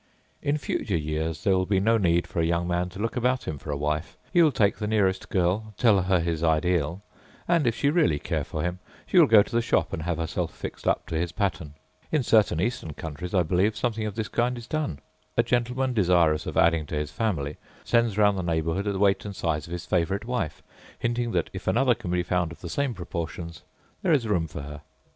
In future years there will be no need for a young man to look about him for a wife; he will take the nearest girl, tell her his ideal, and, if she really care for him, she will go to the shop and have herself fixed up to his pattern. In certain Eastern countries, I believe, something of this kind is done. A gentleman desirous of adding to his family sends round the neighbourhood the weight and size of his favourite wife, hinting that if another can be found of the same proportions, there is room for her.